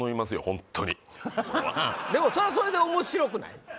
ホントにでもそれはそれで面白くない？